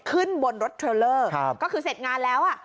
ขึ้นบนรถเทรลเลอร์ก็คือเสร็จงานแล้วอ่ะ